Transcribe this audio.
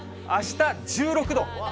あした１６度。